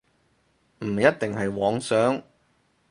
唔一定係妄想